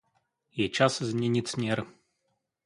Je čas změnit směr.